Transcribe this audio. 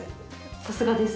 さすがです。